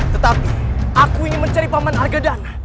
tetapi aku ingin mencari paman harga dana